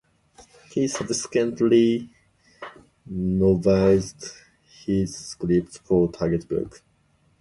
He subsequently novelised his scripts for Target Books.